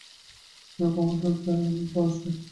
আমি commander Cal Burnside.